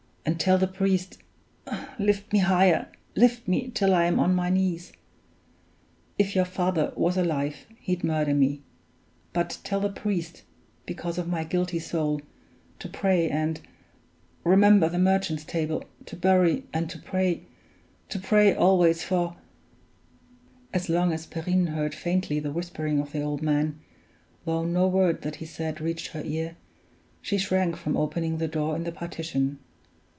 and tell the priest (lift me higher, lift me till I am on my knees) if your father was alive, he'd murder me; but tell the priest because of my guilty soul to pray, and remember the Merchant's Table to bury, and to pray to pray always for " As long as Perrine heard faintly the whispering of the old man, though no word that he said reached her ear, she shrank from opening the door in the partition.